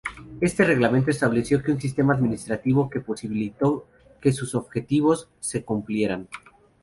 Este Reglamento estableció un sistema administrativo que posibilitó que sus objetivos se cumplieran.